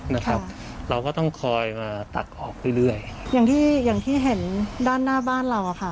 นะครับเราก็ต้องคอยมาตักออกเรื่อยเรื่อยอย่างที่อย่างที่เห็นด้านหน้าบ้านเราอ่ะค่ะ